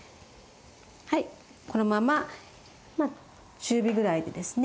このまままあ中火ぐらいでですね